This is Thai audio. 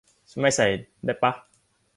ไม่ใส่ได้ป๊ะ